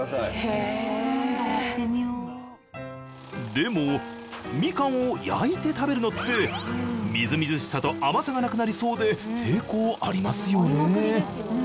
でもミカンを焼いて食べるのってみずみずしさと甘さがなくなりそうで抵抗ありますよね？